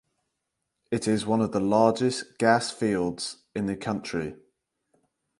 It is one of the largest gas fields in the country.